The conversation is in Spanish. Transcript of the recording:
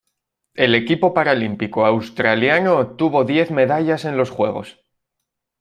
El equipo paralímpico australiano obtuvo diez medallas en estos Juegos.